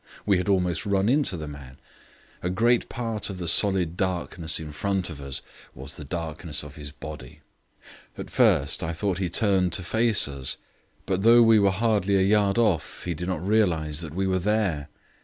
We had almost run into the man. A great part of the solid darkness in front of us was the darkness of his body. At first I thought he had turned to face us. But though we were hardly a yard off he did not realize that we were there.